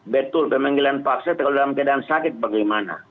betul pemanggilan paksa kalau dalam keadaan sakit bagaimana